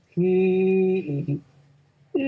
หืม